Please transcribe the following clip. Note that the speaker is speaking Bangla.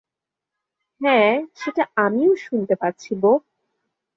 হ্যাঁ, সেটা আমিও শুনতে পাচ্ছি, বোহ।